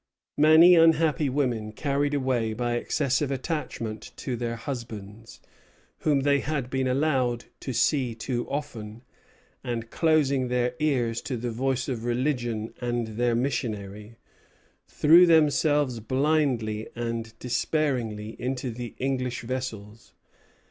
"Many unhappy women, carried away by excessive attachment to their husbands, whom they had been allowed to see too often, and closing their ears to the voice of religion and their missionary, threw themselves blindly and despairingly into the English vessels.